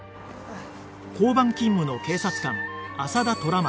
交番勤務の警察官朝田虎松